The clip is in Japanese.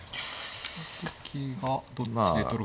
この時がどっちで取るか。